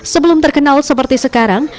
sebelum terkenal seperti sekarang